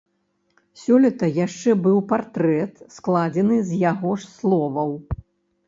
Сёлета яшчэ быў партрэт, складзены з яго ж словаў.